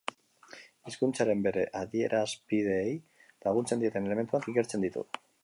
Hizkuntzaren bere adierazpideei laguntzen dieten elementuak ikertzen ditu.